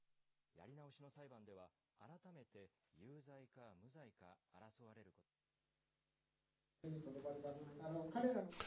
やり直しの裁判では、改めて有罪か無罪か、争われることになります。